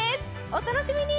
お楽しみに！